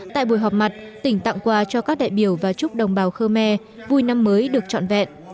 tại buổi họp mặt tỉnh tặng quà cho các đại biểu và chúc đồng bào khơ me vui năm mới được trọn vẹn